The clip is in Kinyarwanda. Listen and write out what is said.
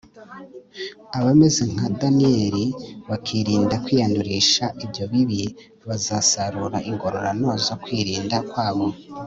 abameze nka daniyeli, bakirinda kwiyandurisha ibyo bibi, bazasarura ingororano zo kwirinda kwabo